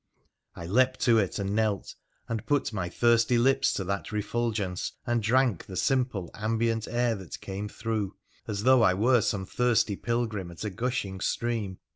I leapt to it and knelt, and put my thirsty lips to that refulgence and drank the simple ambient air that came through, as though I were some thirsty pilgrim at a gushing stream.